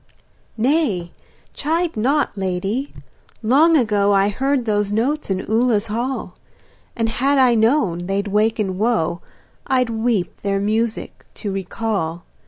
Nay, chide not, lady; long ago I heard those notes in Ula's hall, And had I known they'd waken woe I'd weep their music to recall.